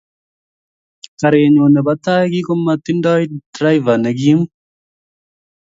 Karit nyun nebo tai kokimatindoi tereva ne kim